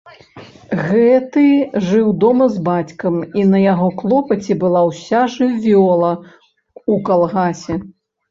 Гэты жыў дома з бацькам, і на яго клопаце была ўся жывёла ў калгасе.